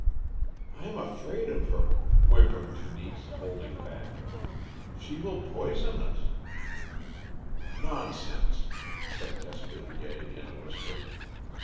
"I'm afraid of her," whimpered Tenise, holding back. "She will poison us." "Nonsense," said Caspilier, in a whisper.